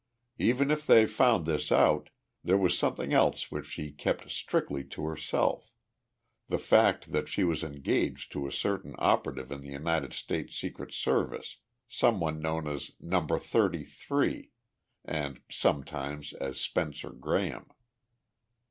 Even if they found this out, there was something else which she kept strictly to herself the fact that she was engaged to a certain operative in the United States Secret Service, sometimes known as Number Thirty three, and sometimes as Spencer Graham.